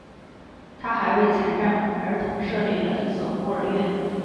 他还为残障儿童设立了一所孤儿院。